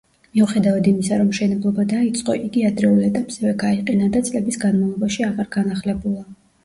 მიუხედავად იმისა, რომ მშენებლობა დაიწყო, იგი ადრეულ ეტაპზევე გაიყინა და წლების განმავლობაში აღარ განახლებულა.